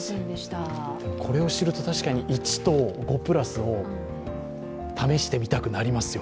これを知ると１と５＋を試してみたくなりますよ。